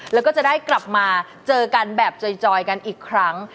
แล้วก็จะได้กลับมาเจอกันแบบจอยกันอีกครั้ง